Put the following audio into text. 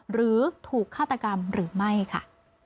หรือถูกฆาตกรรมหรือไม่ค่ะ